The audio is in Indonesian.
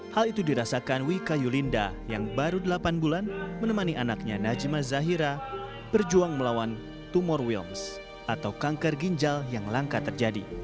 hal itu dirasakan wika yulinda yang baru delapan bulan menemani anaknya najima zahira berjuang melawan tumor wilms atau kanker ginjal yang langka terjadi